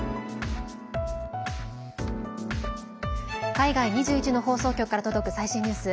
海外２１の放送局から届く最新ニュース。